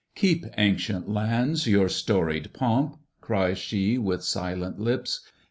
"Keep, ancient lands, your storied pomp!" cries she With silent lips.